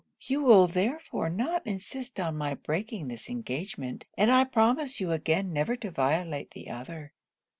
You will therefore not insist on my breaking this engagement, and I promise you again never to violate the other.'